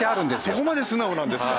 そこまで素直なんですか。